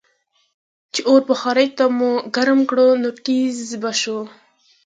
چې اور بخارۍ ته مو ګرم کړ نو ټیزززز به شو.